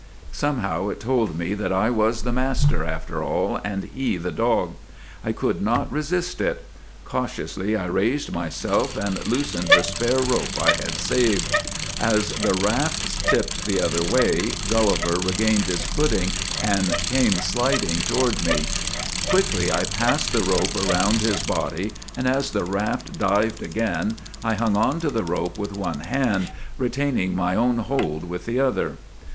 Somehow it told me that I was the master, after all, and he the dog. I could not resist it. Cautiously I raised myself and loosened the spare rope I had saved. As the raft tipped the 20 GULLIVER THE GREAT other way Gulliver regained his footing and came sliding toward me. " Quickly I passed the rope around his body, and as the raft dived again I hung on to the rope with one hand, retaining my own hold with the other.